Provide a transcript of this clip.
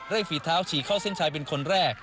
ฝีเท้าฉี่เข้าเส้นชัยเป็นคนแรก